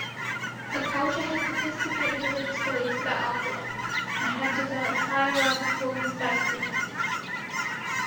The culture had sophisticated religious beliefs about afterlife and had developed hierarchical status differences.